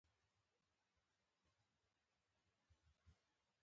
تاریخي مأخذ په حیث استفاده کړې.